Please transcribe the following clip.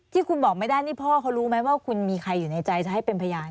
ที่คุณบอกไม่ได้นี่พ่อเขารู้ไหมว่าคุณมีใครอยู่ในใจจะให้เป็นพยาน